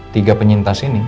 tiga penyintas ini